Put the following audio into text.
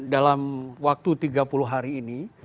dalam waktu tiga puluh hari ini